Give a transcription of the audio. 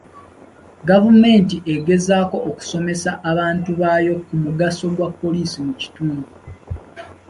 Gavumenti egezaako okusomesa abantu baayo ku mugaso gwa poliisi mu kitundu.